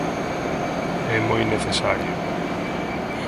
É moi necesario.